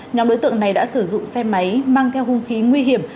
nhóm đối tượng này đã sử dụng xe máy mang theo hung khí nguy hiểm